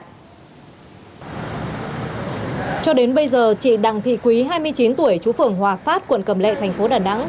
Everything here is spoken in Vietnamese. cho đến bây giờ chị đặng thị quý hai mươi chín tuổi chú phường hòa phát quận cầm lệ thành phố đà nẵng